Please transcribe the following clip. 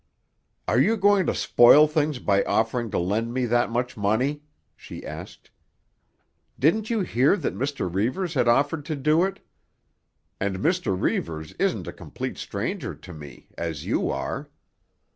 "Are you going to spoil things by offering to lend me that much money?" she asked. "Didn't you hear that Mr. Reivers had offered to do it? And Mr. Reivers isn't a complete stranger to me—as you are."